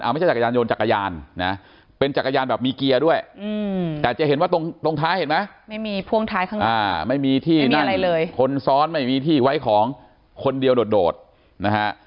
ไม่มีที่นั่งคนซ้อนไม่มีที่ไว้ของคนเดียวโดดนะฮะ